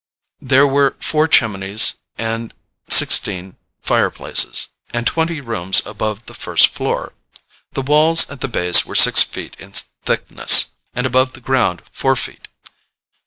There were four chimneys and sixteen fireplaces, and twenty rooms above the first floor. The walls at the base were six feet in thickness, and above the ground four feet.